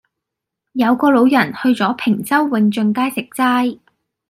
有個老人去左坪洲永俊街食齋